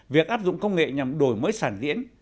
việc áp dụng công nghệ nhằm đổi mới sản diễn